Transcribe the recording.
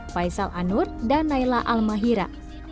faisal anur dan naila almahira